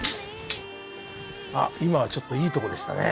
あっ今ちょっといいとこでしたね。